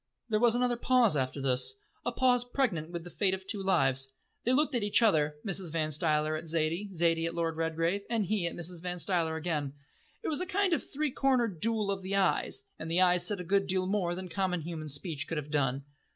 There was another pause after this, a pause pregnant with the fate of two lives. They looked at each other Mrs. Van Stuyler at Zaidie, Zaidie at Lord Redgrave, and he at Mrs. Van Stuyler again. It was a kind of three cornered duel of eyes, and the eyes said a good deal more than common human speech could have done.